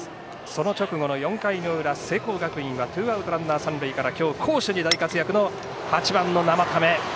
その直後の４回裏、聖光学院はツーアウト、ランナー、三塁から今日、攻守に大活躍の８番の生田目。